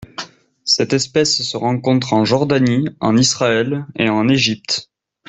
Cette espèce se rencontre en Jordanie, en Israël et en Égypte.